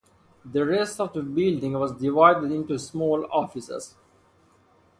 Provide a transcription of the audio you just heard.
The rest of the building was divided into small offices.